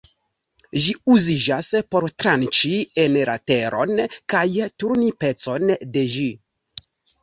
Ĝi uziĝas por tranĉi en la teron kaj turni pecon de ĝi.